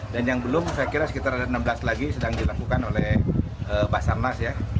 dan yang belum saya kira sekitar ada enam belas lagi sedang dilakukan oleh basarnas ya